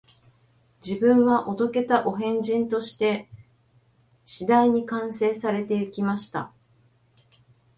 自分はお道化たお変人として、次第に完成されて行きました